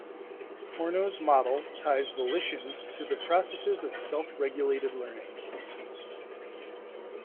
Corno's model ties volition to the processes of self-regulated learning.